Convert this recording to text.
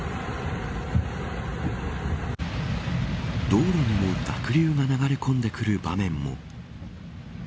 道路にも濁流が流れ込んでくる場面も。